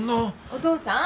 お父さん。